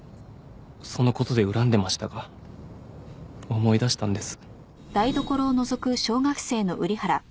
そのことで恨んでましたが思い出したんです。